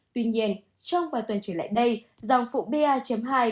tuy nhiên trong vài tuần trở lại đây dòng phụ ba hai đang dần nổi lên